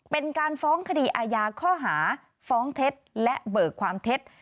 เป็นการฟ้องคดีอาญาข้อหาฟ้องเท็จและเบิกความเท็จ